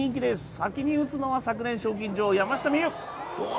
先に打つのは、昨年、賞金女王、山下美夢有。